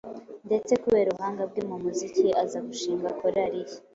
ndetse kubera ubuhanga bwe mu muziki aza gushinga korali ye